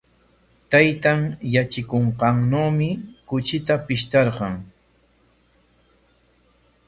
Taytan yatsikunqannawmi kuchita pishtarqan.